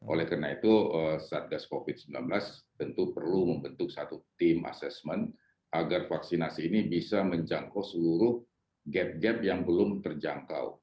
oleh karena itu satgas covid sembilan belas tentu perlu membentuk satu tim assessment agar vaksinasi ini bisa menjangkau seluruh gap gap yang belum terjangkau